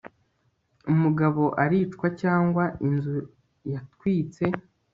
Umugabo aricwa cyangwa inzu yatwitse